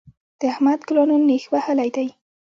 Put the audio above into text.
د احمد ګلانو نېښ وهلی دی.